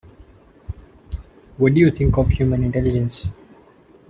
What do you think of human intelligence?